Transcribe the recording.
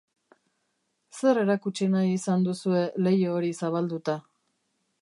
Zer erakutsi nahi izan duzue leiho hori zabalduta?